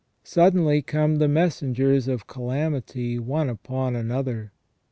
Suddenly come the messengers of calamity one upon another.